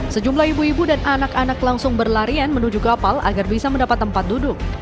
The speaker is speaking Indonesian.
sejumlah ibu ibu dan anak anak langsung berlarian menuju kapal agar bisa mendapat tempat duduk